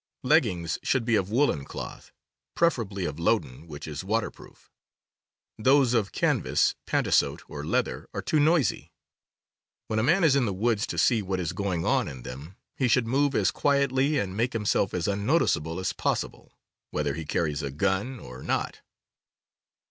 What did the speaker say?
Leggings should be of woolen cloth, preferably of loden, which is waterproof. Those of canvas, pantasote, T . or leather are too noisy. When a man is Leggmgs. .^,,^ 1 i •• m the woods to see what is going on m them he should move as quietly and make himself as unnoticeable as possible, whether he carries a gun or not.